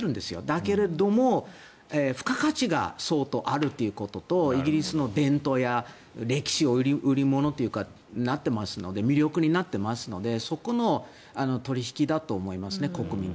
だけれども、付加価値が相当あるということとイギリスの伝統や歴史を売り物というか魅力になっていますのでそこの取引だと思いますね。